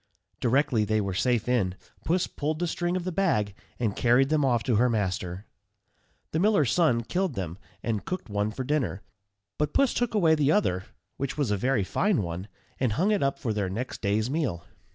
Directly they were safe in, Puss pulled the string of the bag, and carried them off to her master. The miller's son killed them, and cooked one for dinner; but Puss took away the other, which was a very fine one, and hung it up for their next day's meal.